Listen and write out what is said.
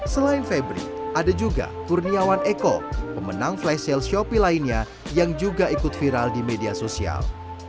selain febri ada juga kurniawan eko pemenang flash sale shopee lainnya yang juga ikut viral di media sosial